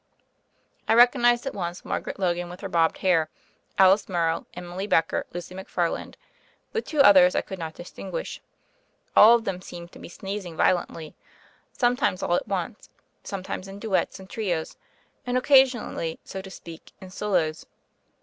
I recognized at once Margaret Logan with her bobbed hair; Alice Morrow, Emily Becker, Lucy McFarland. The other two I could not distinguish. All of them seemed to be sneezing violently; some times all at once, sometimes in duets and trios, and occasionally, so to speak, in solos.